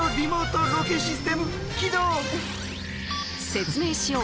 説明しよう！